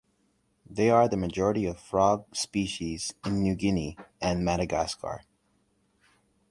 They are the majority of frog species in New Guinea and Madagascar.